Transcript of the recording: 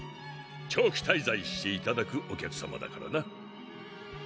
長期滞在していただくお客様だからな。